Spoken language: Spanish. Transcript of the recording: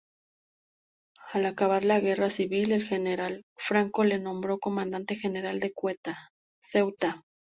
Al acabar la Guerra Civil, el general Franco le nombró comandante general de Ceuta.